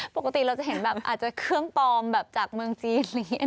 ปกติเราจะเห็นแบบอาจจะเครื่องปลอมแบบจากเมืองจีนอะไรอย่างนี้